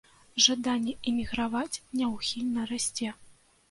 Жаданне эміграваць няўхільна расце.